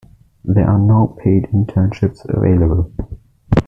There are no paid internships available.